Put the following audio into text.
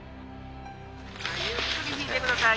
ゆっくり引いてください。